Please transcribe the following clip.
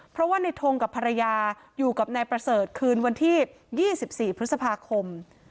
เพราะว่าในทงกับภรรยาอยู่กับนายประเสริฐคืนวันที่๒๔พฤษภาคม